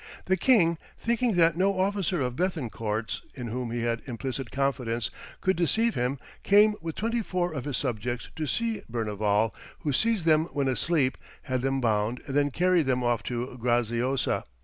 The king, thinking that no officer of Béthencourt's, in whom he had implicit confidence, could deceive him, came with twenty four of his subjects to see Berneval, who seized them when asleep, had them bound, and then carried them off to Graziosa.